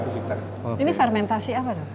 ini fermentasi apa